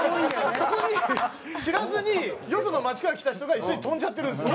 そこに知らずによその街から来た人が一緒に跳んじゃってるんですよ。